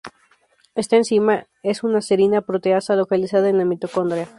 Esta enzima es una serina proteasa localizada en la mitocondria.